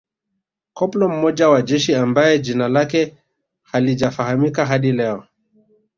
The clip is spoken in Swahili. Koplo mmoja wa jeshi ambaye jina lake halijafahamika hadi leo